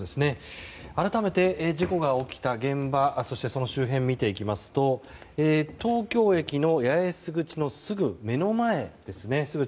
改めて事故が起きた現場そして、その周辺を見ていきますと東京駅の八重洲口のすぐ目の前ですね。